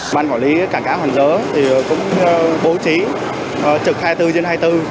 ban quản lý cảng cá hoàng giới cũng bố trí trực hai mươi bốn trên hai mươi bốn